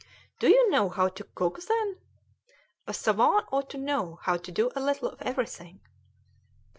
"Do you know how to cook, then?" "A savant ought to know how to do a little of everything."